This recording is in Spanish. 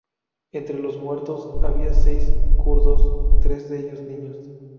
Entre los muertos había seis kurdos, tres de ellos niños.